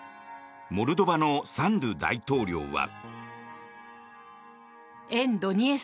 モルドバのサンドゥ大統領は。